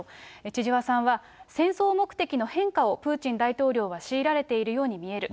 千々和さんは戦争目的の変化をプーチン大統領は強いられているように見える。